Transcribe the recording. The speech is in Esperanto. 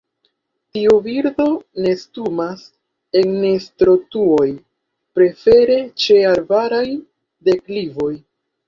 Tiu birdo nestumas en nestotruoj, prefere ĉe arbaraj deklivoj.